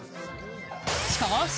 しかし！